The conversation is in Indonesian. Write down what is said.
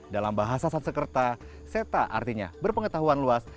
dalam bahasa sansekerta seta artinya berpengetahuan luas